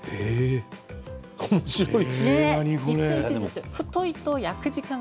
おもしろい。